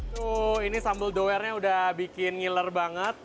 tuh ini sambal the webnya udah bikin ngiler banget